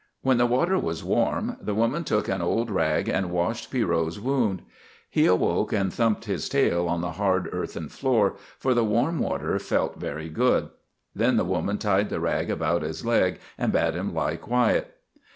When the water was warm the woman took an old rag and washed Pierrot's wound. He awoke and thumped his tail on the hard earthen floor, for the warm water felt very good. Then the woman tied the rag about his leg and bade him lie quiet.